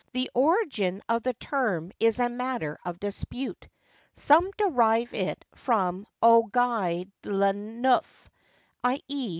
The origin of the term is a matter of dispute. Some derive it from 'au guy l'an neuf,' i.e.